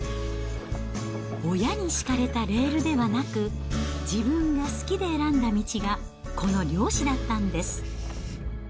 親に敷かれたレールではなく、自分が好きで選んだ道が、この漁師だったんです。